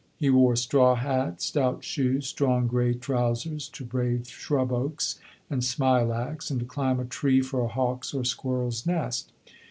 He wore straw hat, stout shoes, strong gray trousers, to brave shrub oaks and smilax, and to climb a tree for a hawk's or squirrel's nest.